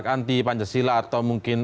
anti pancasila atau mungkin